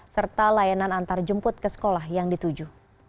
serta layanan antarjemput ke sekolah yang dituju